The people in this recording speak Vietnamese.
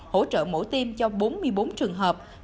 hỗ trợ mổ tiêm cho bốn mươi bốn trường hợp